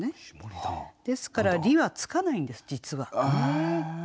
ですから「り」はつかないんです実は。